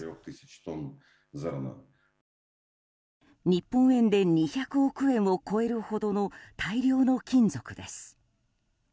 日本円で２００億円を超えるほどの大量の金属です。